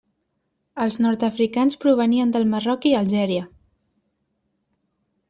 Els nord-africans provenien del Marroc i Algèria.